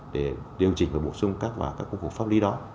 để điều chỉnh và bổ sung các khung khổ pháp lý đó